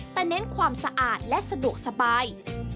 แต่เน้นความสะอาดและสะดวกสบาย